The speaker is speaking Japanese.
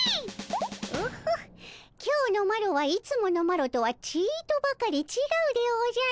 ホッホ今日のマロはいつものマロとはちとばかり違うでおじゃる。